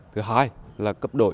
thứ hai là cấp đội